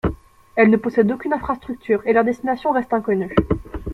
Elles ne possèdent aucune infrastructure et leurs destinations restent inconnues.